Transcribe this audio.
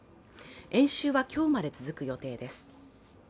演習は今日まで続く予定です。